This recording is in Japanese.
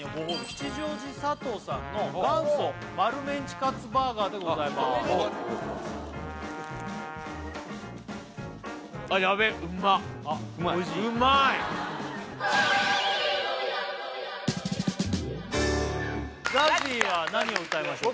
吉祥寺さとうさんの元祖丸メンチカツバーガーでございますあヤベっＺＡＺＹは何を歌いましょう？